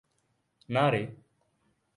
না, রে!